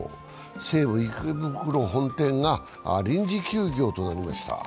西武池袋本店が臨時休業となりました。